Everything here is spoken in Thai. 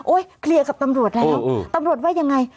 เคลียร์กับตำรวจแล้วตำรวจว่ายังไง